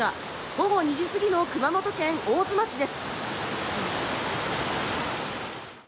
午後２時過ぎの熊本県大津町です。